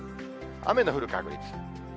雨の降る確率。